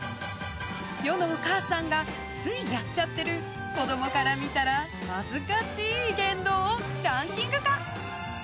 世のお母さんがついやっちゃってる子供から見たら恥ずかしい言動をランキング化。